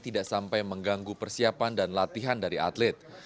tidak sampai mengganggu persiapan dan latihan dari atlet